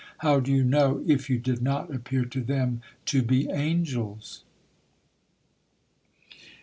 How do you know if you did not appear to them to be angels?"